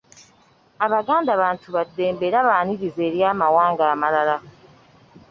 Abaganda bantu baddembe era baaniriza eri amawanga amalala.